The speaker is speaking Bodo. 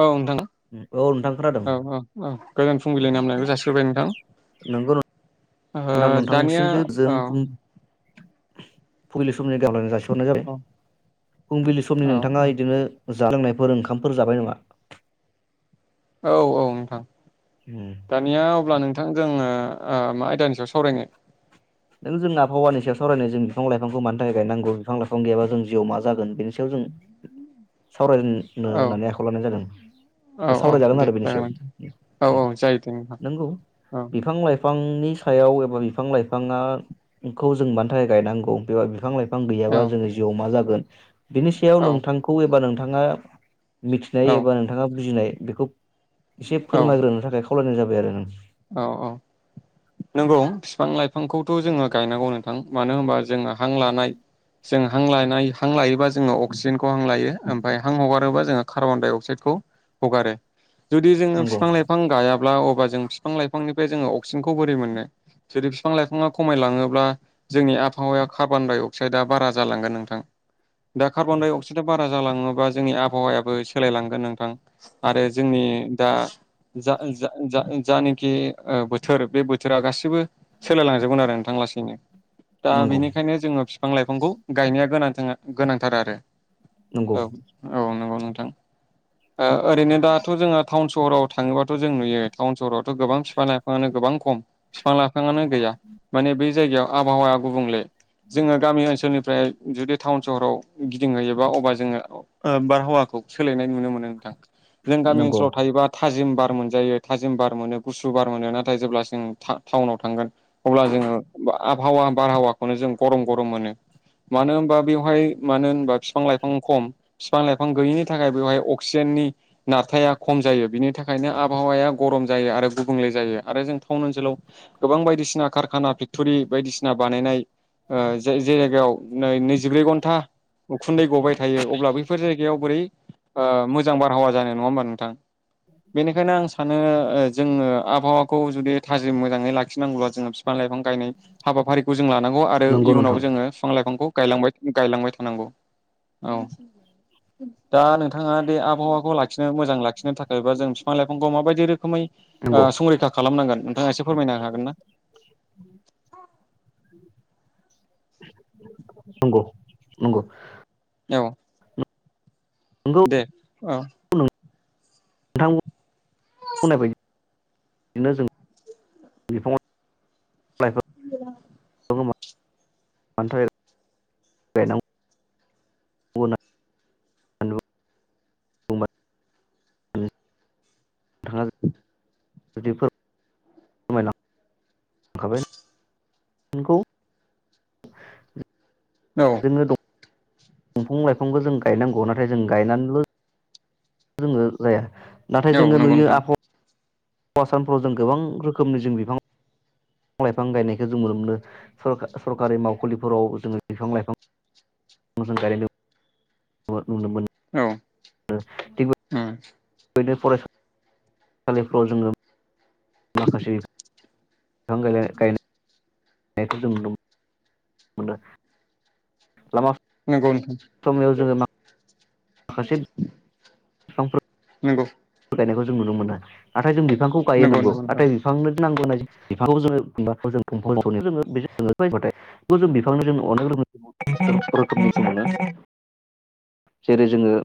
औ नोंथां औ नोंथां खोनादों औ औ औ गोजान फुंबिलिइ नामनायायखौ जासिग्रोबाय नोंथां। नोंगौ नोंथां ओ दानिया नोंथांसिमबो गोजोन औ। फुं फुंबिलि समनि गाहाम हामलायनाय जासि हरनाय जाबाय औ फुंबिलि समनि औ नोंथाङा बिदिनो जा लोंनायफोर ओंखामफोर जाबाय नामा? औ औ नोंथां। उम दानिया अब्ला नोंथां जोङो ओ मा आयदानि सायाव सावरायनो? जोंना आबहावानि सायाव सावरायनो जों बिफां लाइफांखौ मानि थाखाय ग नांगौ बिफां लाइफां गैयाब जों जिआव मा जागोन। बेनि सायाव जों सावरायनो औ होननानै आखायाव लानाय जादों औ बा औ सावरायजागोन दे आरो बेनि जागोन नोंथां औ सायाव औ जायो दे नोंथां नंगौ औ बिफां लाइफां बिफांनि सायाव एबा बिफां लाइ बिफाङाखौ जों मानि थाखाय गायनांगौ बेब बिफां लाइफां बिफां औ गैयाबा जोङो जिउआव मा जागोन [inaudible] बिनि सायाव औ नोंथांखौ एबा नोंथां। थाङा। मिथिनाय औ एबा नोंथाङा बुजिनाय बेखौ एसे औ फोरमायग्रोनो थाखाय खलायनाय जाबाय आरो नों औ औ नंगौ बिफां लाइफांखौथ' जोङो गायनांगौ नोंथां मानो होनबा जोङो हां लानाय जों हां लानाय हां लायोबा जों जोङो अक्सिजेनखौ हां लायो ओफाय हां हगारोबा जोङो कार्बन डाइ अक्साइदखौ हगारो। जुदि जोङो नंगौ फिफां लाइफां गाया ब्ला अब्ला जों बिफां लाइफांनिफ्राय जोङो अक्सिजेनखौ बोरै मोनो जुदि बिफां लाइफाङा खमायलाङोब्ला जोंनि आबहावाया कार्बनडाइ अक्साइदआ बारा जालांगोन नोंथां। दा कार्बनडाइ अक्सड बारा जालाङोबा जोंनि आबहावायाबो सोलायलांगोन नोंथां आरो जोंनि दा जा जा जा जानि खि बोथोर बे बोथोरा गाैबो सोलायलांजोबगोन आरो नोंथां लासैनो। दा नंगौ बेनिखायनो जोङो फि बिफां लाइफांखौ गायनाया गोनां जोङो गोनांथार आरो । नंगौ औ औ नंगौ नोंथां ओ ओरैनो दाथ' जोङो थावन सहराव थाङोब्लाथ' जों नुयो टाउन सहराव गोबां बिफां लाइफाङानो गोबां खम बिफां लाइफाङानो गैया। माने बै जायगायाव आबहावाया गुबुंले। जोङो गामि ओनसोलनिफ्राय जुदि टाउन सहराव गिदिंहैयोबा अबा जोङो बारहावाखौ सोलायनाय नुनो मोनो नोंथां जों गामि नंगौ ओनसोलाव थायोबा थाजिम बार मोनजायो थाजिम बार मोनो गुसुु बार मोनो। नाथाय जेब्ला जों टा-टाउनाव थांगोन अब्ला जोङो आबहावा बारहावाखौनो जों गरम गरम मोनो मानो। होनबा बेवहाय मानो होनबा फिफां लाइफां खम। फिफां लाइफां गैयिनि थाखाय बेवहाय अक्सिजेननि नारथाया खम जायो। बिनि थाखायनो आबहावाया गरम जायो आरो गुबुंले जायो आरो जों टाउन ओनसोलाव गोबां बायदिसिना कारखाना फेक्टरि बायदिसिना बानायनाय ओ जाय जे जायगायाव नै नैजिब्रै घन्टा उखुन्दै गबाय थायो अब्ला बैफोर जायगायाव बोरै ओ मो मोजां बारहावा जानो नङा होमबा नोंथां बेनिखायनो आं सा सानो जोङो आबहावाखौ जुदि थाजिम मोजाङै लाखिनांगौब्ला जोङो बिफां लाइफां गायनाय हाबाफारिखौ जों लानांगौ आरो नंगौ नोंथां इयुनावबो जोङो फिफां लाइफांखौ गायलांबाय गायलांबाय थानांगौ। औ दा नोंथाङा बे आबहावाखौ लाखिनो मोजां लाखिनो थाखायबा जों फिफां लाइफांखौ माबायदि रोखोमै ओ नंगौ संरैखा खालामनांगोन नोंथाङा एसे फोरमायनो हागोन ना? नंगौ नंगौ औ नंगौ दे औ नोंथां बुंनाय बायदि बिदिनो जों बिफां लाइफां [unintelligible] [unintelligible] [unintelligible] गायनांगौ होननानै बुङोबा नोंथाङा जि फोरमायलांखाबाय नोंखौ औ जोङो दं दंफां लाइफांबो जों गायनांगौ नाथाय जों गायनानैल' जोङो जाया। नाथाय औ जोङो नंगौ नुयो नोंथां आब हावा सानफोराव जों गोबां रोखोमनि जों बिफां बिफां लाइफां गायनायखौ जों नुनो मोनो। सरकारि मावखुलिफोराव जोङो बिफां लाइफां जों गायनाय [unintelligible] नुनो औ मोनो उम बेनो फरायसा सालिफ्राव जोङो माखासे [unintelligible] नंगौ समयाव जोङो मा खासे नोंगौ जों नुनो मोनो ना थाय जों बिफांखौ गायो नंगौ नाथाय बिफांनो नंगौ [unintelligible] जेरै जोङो